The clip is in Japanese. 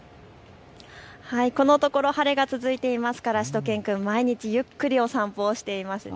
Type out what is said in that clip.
このところ晴れが続いていますからしゅと犬くん、毎日ゆっくりお散歩をしています。